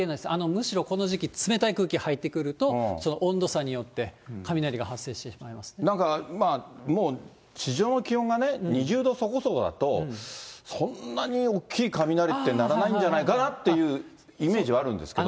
むしろこの時期、冷たい空気入ってくると、その温度差によって、なんか、もう地上の気温がね、２０度そこそこだと、そんなに大きい雷って、鳴らないんじゃないかなってイメージはあるんですけど。